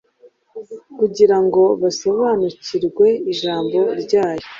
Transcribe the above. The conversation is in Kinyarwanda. kugira ngo basobanukirwe ijambo ryayo.